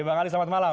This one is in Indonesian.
bang ali selamat malam